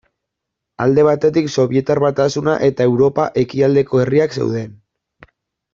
Alde batetik Sobietar Batasuna eta Europa ekialdeko herriak zeuden.